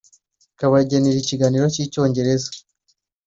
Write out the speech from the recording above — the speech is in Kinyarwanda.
ikabagenera ikiganiro cy’Icyongereza